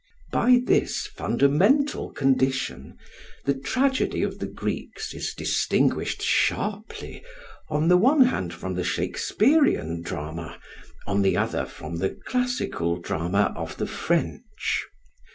By this fundamental condition the tragedy of the Greeks is distinguished sharply, on the one hand from the Shakespearian drama, on the other from the classical drama of the French.